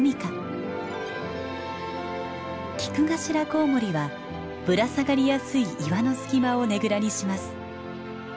キクガシラコウモリはぶら下がりやすい岩の隙間をねぐらにします。